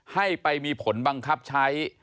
ให้ไปมีผลบังคับใช้